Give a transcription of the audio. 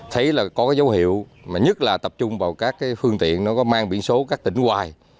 thấy là có cái dấu hiệu mà nhất là tập trung vào các phương tiện nó có mang biển số các tỉnh hoài